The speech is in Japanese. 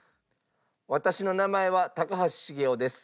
私の名前は高橋茂雄です。